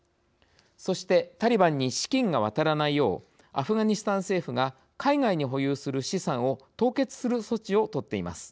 そしてタリバンに資金が渡らないようアフガニスタン政府が海外に保有する資産を凍結する措置をとっています。